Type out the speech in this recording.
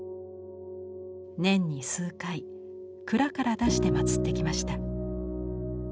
年に数回蔵から出して祀ってきました。